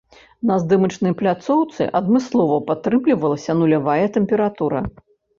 На здымачнай пляцоўцы адмыслова падтрымлівалася нулявая тэмпература.